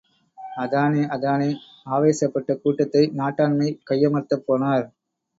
அதானே... அதானே ஆவேசப்பட்ட கூட்டத்தை நாட்டாண்மை கையமர்த்தப் போனார்.